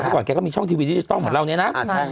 ก่อนแกก็มีช่องทีวีดิสตอลเหมือนเล่านี้นะ